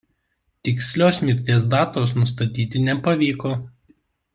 Tikslios mirties datos nustatyti nepavyko.